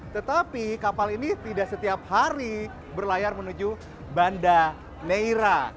tetapi kapal ini tidak setiap hari berlayar menuju banda neira